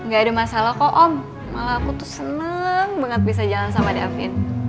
gak ada masalah kok om malah aku tuh seneng banget bisa jalan sama david